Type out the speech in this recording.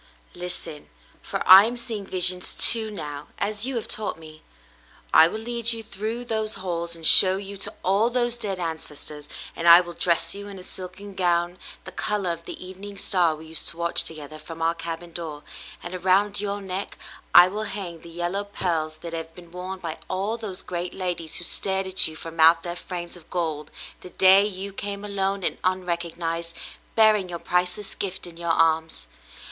"Listen, for I am seeing visions 312 The Mountain Girl too, now, as you have taught me. I will lead you through those halls and show you to all those dead ancestors, and I will dress you in a silken gown, the color of the evening star we used to watch together from our cabin door, and around your neck I will hang the yellow pearls that have been worn by all those great ladies who stared at you from out their frames of gold the day you came alone and unrecognized, bearing your priceless gift in your arms.